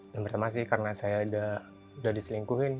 yang pertama sih karena saya sudah diselingkuhkan